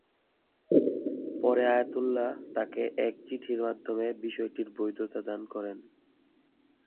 পরে আয়াতুল্লাহ তাকে এক চিঠির মাধ্যমে বিষয়টির বৈধতা দান করেন।